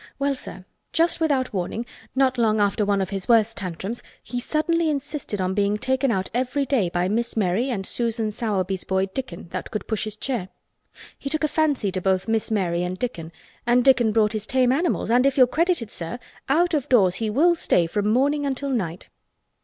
Well, sir, just without warning—not long after one of his worst tantrums he suddenly insisted on being taken out every day by Miss Mary and Susan Sowerby's boy Dickon that could push his chair. He took a fancy to both Miss Mary and Dickon, and Dickon brought his tame animals, and, if you'll credit it, sir, out of doors he will stay from morning until night."